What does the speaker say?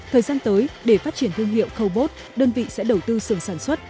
thời gian tới để phát triển thương hiệu cobot đơn vị sẽ đầu tư sừng sản xuất